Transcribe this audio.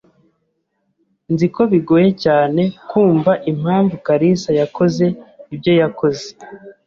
Nzi ko bigoye cyane kumva impamvu kalisa yakoze ibyo yakoze.